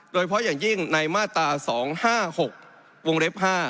โดยเฉพาะอย่างยิ่งในมาตรา๒๕๖วงเล็บ๕